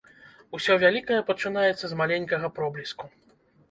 Усё вялікае пачынаецца з маленькага пробліску.